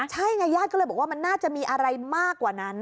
ใช่ไงญาติก็เลยบอกว่ามันน่าจะมีอะไรมากกว่านั้น